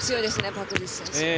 パク・ジス選手。